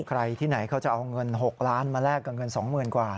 ใครที่ไหนเขาจะเอาเงิน๖ล้านมาแลกกับเงิน๒๐๐๐กว่า